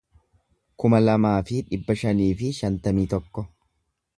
kuma lamaa fi dhibba shanii fi shantamii tokko